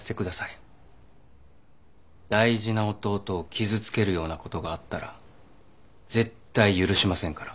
大事な弟を傷つけるようなことがあったら絶対許しませんから。